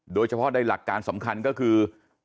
โดยเฉพาะในหลักการสำคัญก็คือ